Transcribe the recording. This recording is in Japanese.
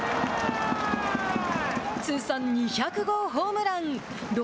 通算２００号ホームラン。